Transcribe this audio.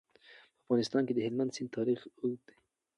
په افغانستان کې د هلمند سیند تاریخ اوږد دی.